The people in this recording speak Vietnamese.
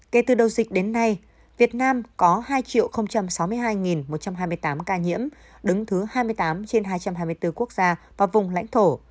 kể từ đầu dịch đến nay việt nam có hai sáu mươi hai một trăm hai mươi tám ca nhiễm đứng thứ hai mươi tám trên hai trăm hai mươi bốn quốc gia và vùng lãnh thổ